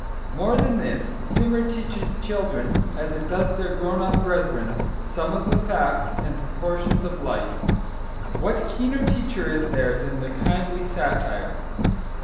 More than this, humour teaches children, as it does their grown up brethren, some of the facts and proportions of life. What keener teacher is there than the kindly satire?